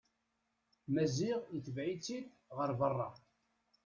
Maziɣ itbeɛ-itt-id ɣer berra.